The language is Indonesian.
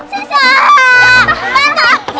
kacau kacau kacau